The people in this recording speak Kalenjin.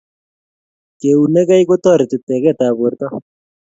keunekei kotoreti teket ap porto